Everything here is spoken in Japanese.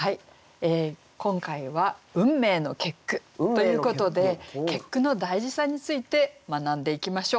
今回は「運命の結句」ということで結句の大事さについて学んでいきましょう。